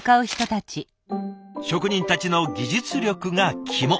職人たちの技術力が肝。